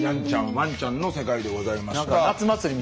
ワンちゃんの世界でございました。